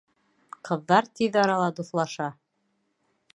Ҡыҙҙар тиҙ арала дуҫлаша.